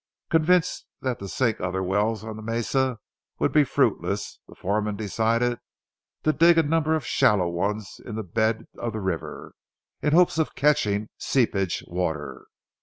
Convinced that to sink other wells on the mesas would be fruitless, the foreman decided to dig a number of shallow ones in the bed of the river, in the hope of catching seepage water.